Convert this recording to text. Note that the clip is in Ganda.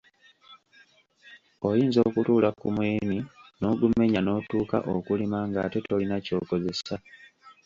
Oyinza okutuula ku muyini n’ogumenya n’otuuka okulima ng’ate tolina ky’okozesa.